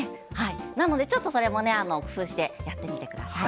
なので、ちょっとそれも工夫してやってみてください。